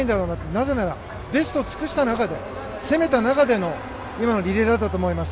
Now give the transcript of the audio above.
なぜならベストを尽くした中で攻めた中での今のリレーだったと思います。